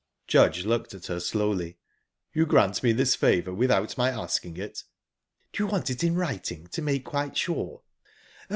Judge looked at her slowly. "You grant me this favour without my asking it?" "Do you want it in writing, to make quite sure?...